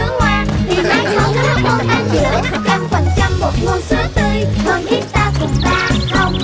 một trăm linh một ngô sứa tươi còn khi ta cùng ta không